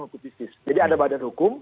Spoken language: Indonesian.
dan kutipis jadi ada badan hukum